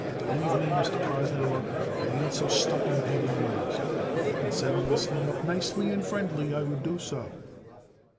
"Believe me, Mr. Prosnauer, I ain't so stuck on paying lawyers. If I can settle this thing up nice and friendly I would do so."